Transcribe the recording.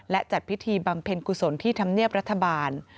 และจัดพิธีบำเพ็ญกุศลที่ธรรมเนียบรัฐบาล